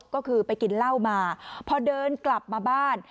ก็คือไปกินเหล้ามาพอเดินกลับมาบ้าน